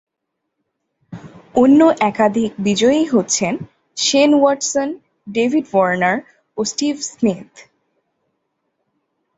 অন্য একাধিক বিজয়ী হচ্ছেন শেন ওয়াটসন, ডেভিড ওয়ার্নার ও স্টিভ স্মিথ।